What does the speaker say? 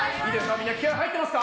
みんな気合い入ってますか？